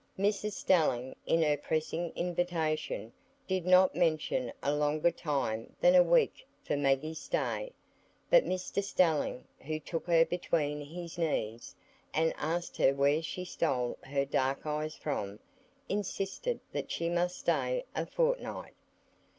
Mrs Stelling, in her pressing invitation, did not mention a longer time than a week for Maggie's stay; but Mr Stelling, who took her between his knees, and asked her where she stole her dark eyes from, insisted that she must stay a fortnight.